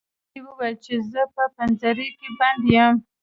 زمري وویل چې زه په پنجره کې بند یم.